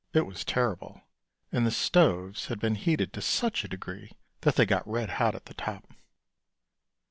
It was terrible, and the stoves had been heated to such a degree that they got red hot at the top.